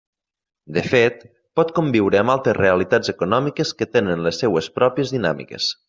De fet, pot conviure amb altres realitats econòmiques que tenen les seues pròpies dinàmiques.